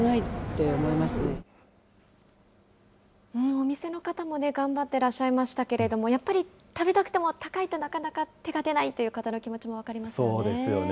お店の方もね、頑張ってらっしゃいましたけどもね、やっぱり食べたくても高いとなかなか手が出ないという方の気持ちそうですよね。